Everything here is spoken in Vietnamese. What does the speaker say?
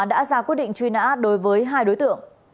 đã ra quyết định truy nã đối với hai đối tượng